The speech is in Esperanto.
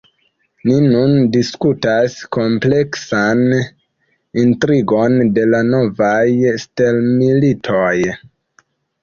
Ni nun diskutas kompleksan intrigon de la novaj stelmilitoj